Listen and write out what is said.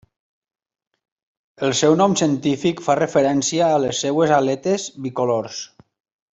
El seu nom científic fa referència a les seues aletes bicolors.